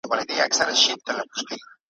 او همدلته به اوسېږي ,